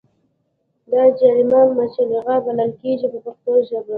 دا جریمه مچلغه بلل کېږي په پښتو ژبه.